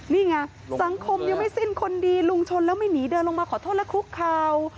นี่ไงสังคมยังไม่สิ้นคนดีลุงชนแล้วไม่หนีเดินลงมาขอโทษและคุกคาว